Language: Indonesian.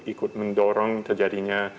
ikut mendorong kejadinya